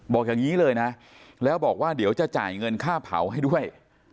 บอกอย่างนี้เลยนะแล้วบอกว่าเดี๋ยวจะจ่ายเงินค่าเผาให้ด้วย